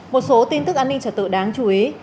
một số tin tức an ninh trở tự đáng chú ý